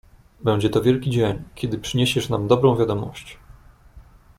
"Będzie to wielki dzień, kiedy przyniesiesz nam dobrą wiadomość."